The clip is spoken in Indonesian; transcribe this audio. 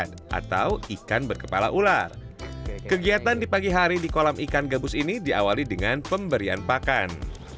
bibitnya dikasih makan